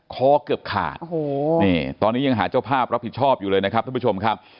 คอเกือบขาดโอ้โหนี่ตอนนี้ยังหาเจ้าภาพรับผิดชอบอยู่เลยนะครับท่านผู้ชมครับ